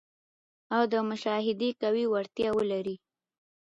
او د مشاهدې قوي وړتیا ولري.